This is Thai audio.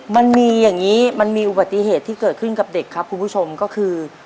มันมีอย่างนี้มันมีอุบัติเหตุที่เกิดขึ้นกับเด็กครับคุณผู้ชมก็คือ